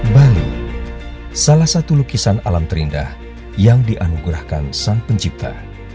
bali salah satu lukisan alam terindah yang dianugerahkan sang pencipta